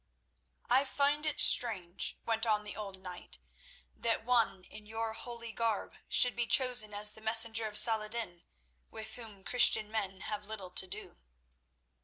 "I find it strange," went on the old knight, "that one in your holy garb should be chosen as the messenger of Saladin, with whom Christian men have little to do."